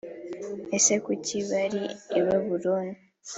ese kuki bari i babuloni